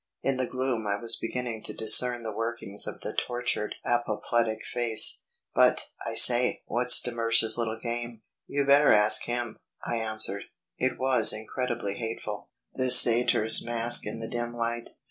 In the gloom I was beginning to discern the workings of the tortured apoplectic face. "But, I say, what's de Mersch's little game?" "You'd better ask him," I answered. It was incredibly hateful, this satyr's mask in the dim light.